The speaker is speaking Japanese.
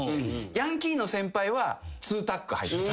ヤンキーの先輩は２タック入ってる。